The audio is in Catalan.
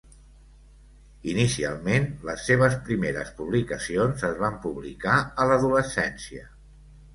Inicialment, les seves primeres publicacions es van publicar a l'adolescència.